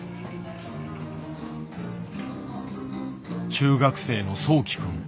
中学生のそうき君。